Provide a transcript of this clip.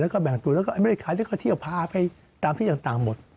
แล้วก็แบ่งตัวแล้วก็ที่ภาพให้ตามที่ต่างหมด